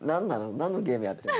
何のゲームやってんの？